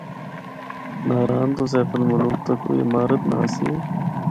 ناران تو سیف الملوک تک کوئی عمارت نہ آسی۔